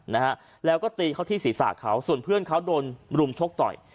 นะฮะแล้วก็ตีเขาที่ศีรษะเขาส่วนเพื่อนเขาโดนรุมชกต่อย